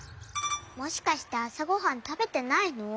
もしかしてあさごはんたべてないの？